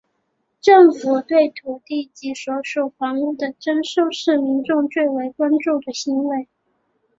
政府对土地及所属房屋的征收是民众最为关注的行为。